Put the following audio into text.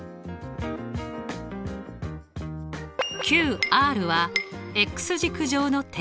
ＱＲは軸上の点。